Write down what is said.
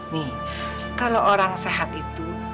nih kalau orang sehat itu